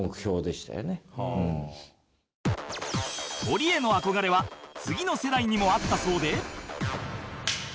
トリへの憧れは次の世代にもあったそうで